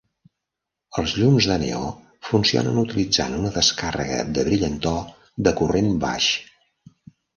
Ells llums de neó funcionen utilitzant una descàrrega de brillantor de corrent baix.